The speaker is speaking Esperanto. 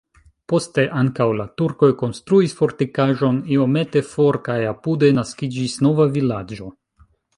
Poste ankaŭ la turkoj konstruis fortikaĵon iomete for kaj apude naskiĝis nova vilaĝo.